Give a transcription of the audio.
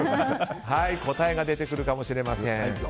答えが出てくるかもしれません。